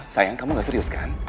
sayang kamu gak serius kan